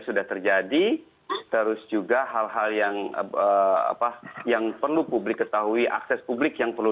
sudah terjadi terus juga hal hal yang apa yang perlu publik ketahui akses publik yang perlu